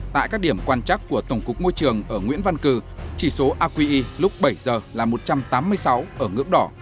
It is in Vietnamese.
tại các điểm quan trắc của tổng cục môi trường ở nguyễn văn cử chỉ số aqi lúc bảy giờ là một trăm tám mươi sáu ở ngưỡng đỏ